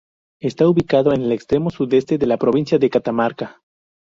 Está ubicado en el extremo sudeste de la provincia de Catamarca.